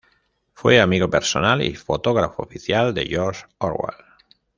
Fue amigo personal y fotógrafo oficial de George Orwell.